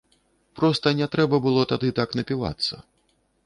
Проста не трэба было тады так напівацца.